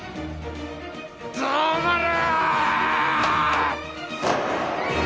黙れ！